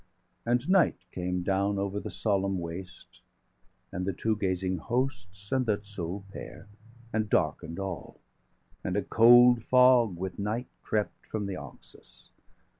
And night came down over the solemn waste, 865 And the two gazing hosts, and that sole pair, And darken'd all; and a cold fog, with night, Crept from the Oxus.